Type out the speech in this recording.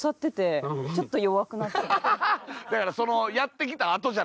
だからその。